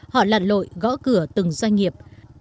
họ lặn lội gõ cửa từng doanh nghiệp